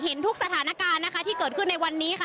ทุกสถานการณ์นะคะที่เกิดขึ้นในวันนี้ค่ะ